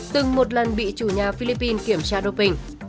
từng một lần bị chủ nhà philippines kiểm tra đô bình